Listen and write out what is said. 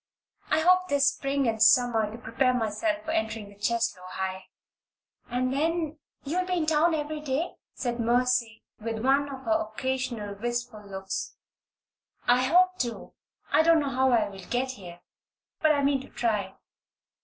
I hope this spring and summer to prepare myself for entering the Cheslow High." "And then you'll be in town every day?" said Mercy, with one of her occasional wistful looks. "I hope to. I don't know how I will get here. But I mean to try.